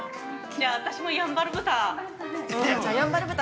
じゃあ、私もやんばる豚！